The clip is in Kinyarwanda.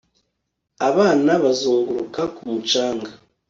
abana bazunguruka ku mucanga